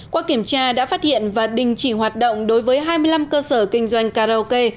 qua kiểm tra đã phát hiện và đình chỉ hoạt động đối với hai mươi năm cơ sở kinh doanh karaoke